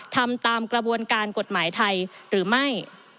ทำตามกระบวนการกฎหมายไทยหรือไม่